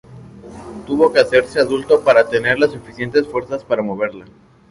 Tuvo que hacerse adulto para tener las suficientes fuerzas para moverla.